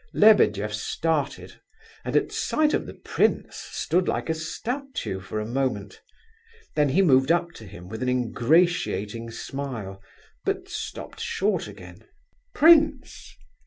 Lebedeff started, and at sight of the prince stood like a statue for a moment. Then he moved up to him with an ingratiating smile, but stopped short again. "Prince!